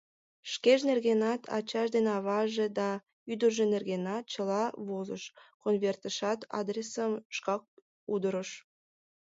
Шкеж нергенат, ачаж ден аваже да ӱдыржӧ нергенат — чыла возыш, конвертешат адресым шкак удырыш.